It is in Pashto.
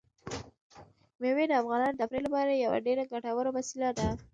مېوې د افغانانو د تفریح لپاره یوه ډېره ګټوره وسیله ده.